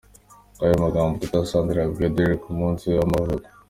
Ngaya amagambo Teta Sandra yabwiye Dereck ku munsi we w'amavuko.